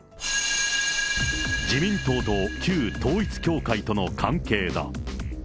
自民党と旧統一教会との関係だ。